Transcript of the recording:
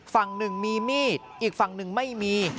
ฝั่งหนึ่งมีมีดอีกฝั่งหนึ่งไม่มี